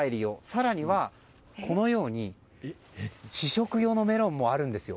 更にはこのように試食用のメロンもあるんです。